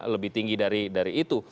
lebih tinggi dari itu